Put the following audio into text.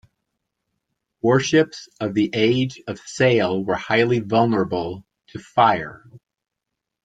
Warships of the age of sail were highly vulnerable to fire.